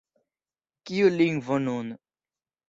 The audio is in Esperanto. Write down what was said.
Kiu lingvo nun?